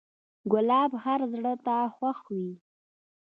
ګلاب هر زړه ته خوښ وي.